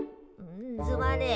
すまねえ。